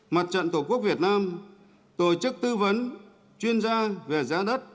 mặt trận tổ quốc việt nam tổ chức tư vấn chuyên gia về giá đất